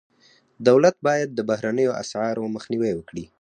دولت باید د بهرنیو اسعارو مخنیوی وکړي.